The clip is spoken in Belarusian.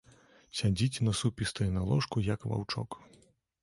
Сядзіць насупістая на ложку, як ваўчок.